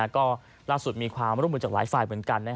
ก็ล่าสุดมีความร่วมมือจากหลายฝ่ายเหมือนกัน